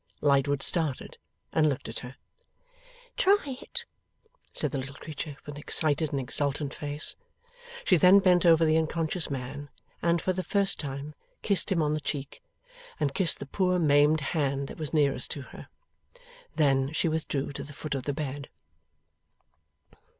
Lightwood started, and looked at her. 'Try it,' said the little creature, with an excited and exultant face. She then bent over the unconscious man, and, for the first time, kissed him on the cheek, and kissed the poor maimed hand that was nearest to her. Then, she withdrew to the foot of the bed.